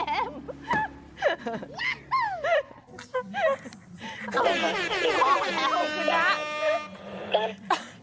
เอ๊ะอ่ะเข้าโรงแรม